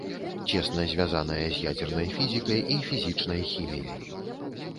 Цесна звязаная з ядзернай фізікай і фізічнай хіміяй.